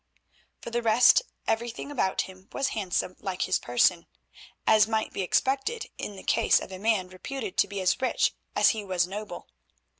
For the rest everything about him was handsome like his person, as might be expected in the case of a man reputed to be as rich as he was noble.